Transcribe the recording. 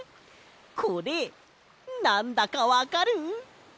これなんだかわかる？